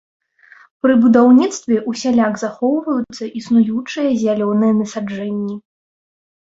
Пры будаўніцтве ўсяляк захоўваюцца існуючыя зялёныя насаджэнні.